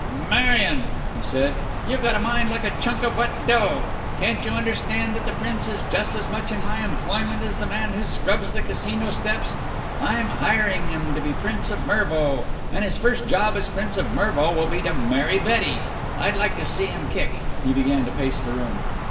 "Marion," he said, "you've got a mind like a chunk of wet dough. Can't you understand that the Prince is just as much in my employment as the man who scrubs the Casino steps? I'm hiring him to be Prince of Mervo, and his first job as Prince of Mervo will be to marry Betty. I'd like to see him kick!" He began to pace the room.